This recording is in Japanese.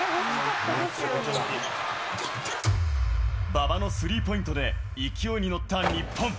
馬場のスリーポイントで、勢いに乗った日本。